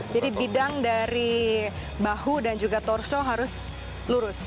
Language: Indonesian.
jadi bidang dari bahu dan juga torso harus lurus